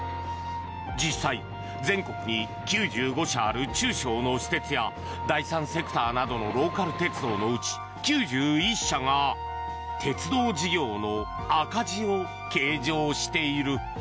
実際、全国に９５社ある中小の私鉄や第三セクターなどのローカル鉄道のうち９１社が鉄道事業の赤字を計上している。